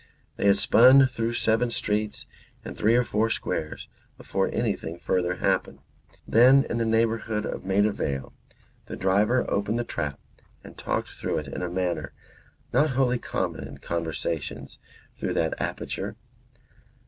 They had spun through seven streets and three or four squares before anything further happened. Then, in the neighbourhood of Maida Vale, the driver opened the trap and talked through it in a manner not wholly common in conversations through that aperture.